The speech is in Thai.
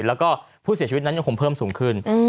แล้วก็ผู้เสียชีวิตนั้นยังคงเพิ่มสูงขึ้น